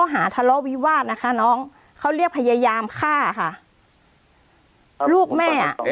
หาทะเลาะวิวาสนะคะน้องเขาเรียกพยายามฆ่าค่ะลูกแม่อ่ะ